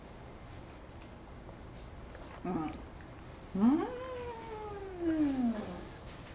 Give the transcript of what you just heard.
うんうん！